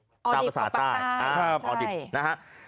ออดิบของปลาตาใช่